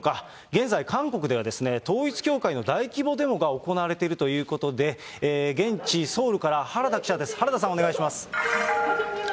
現在、韓国では統一教会の大規模デモが行われているということで、現地ソウルから、原田記者です。